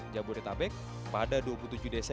ketua umum menjaringan usaha penduduk indonesia